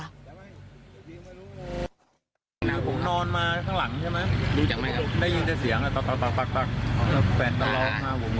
ผมนอนมาข้างหลังใช่ไหม